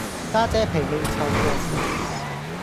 家姐脾氣臭過屎